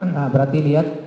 nah berarti lihat